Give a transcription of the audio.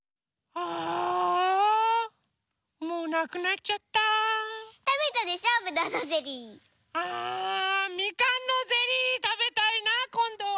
ああみかんのゼリーたべたいなあこんどは。